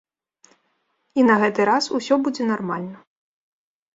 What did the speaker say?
І на гэты раз усё будзе нармальна.